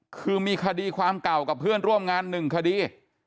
คือมีคดีความเก่ากับเพื่อนร่วมงาน๑คดี